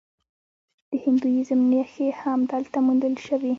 د هندویزم نښې هم دلته موندل شوي